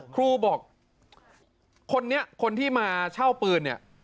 ครูบอกคนนี้คนที่มาเช่าปืนเนี่ย